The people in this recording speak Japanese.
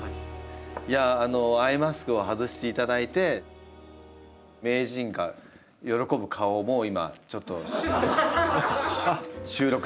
アイマスクを外していただいて名人が喜ぶ顔をもう今ちょっと収録したかった。